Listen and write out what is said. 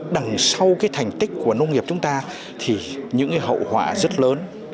đằng sau cái thành tích của nông nghiệp chúng ta thì những hậu họa rất lớn